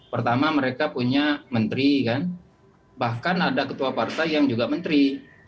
pertama mereka punya menteri kan bahkan ada ketua partai yang juga menteri